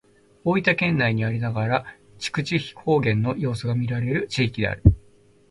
大分県内にありながら肥筑方言の要素がみられる地域である。